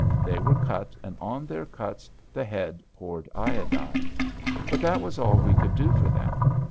They were cut, and on their cuts the Head poured iodine. But that was all we could do for them.